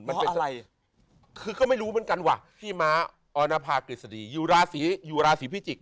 มันเป็นอะไรคือก็ไม่รู้เหมือนกันว่ะพี่ม้าออนภากฤษฎีอยู่ราศีอยู่ราศีพิจิกษ